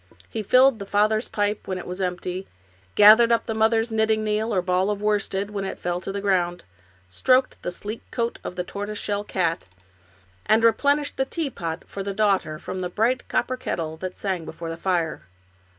He filled the father's pipe when it was empty, gathered up the mother's knitting needle, or ball of worsted, when it fell to the ground, stroked the sleek coat of the tortoise shell cat, and replenished the teapot for the daughter from the bright cop per kettle that sang before the fire.